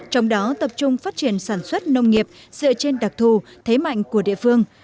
trong đó tập trung phát triển sản xuất nông nghiệp dựa trên đặc thù thế mạnh của địa phương